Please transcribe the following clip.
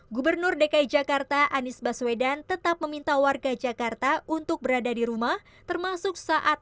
gubernur dki jakarta anies baswedan tetap meminta warga jakarta untuk berada di rumah termasuk saat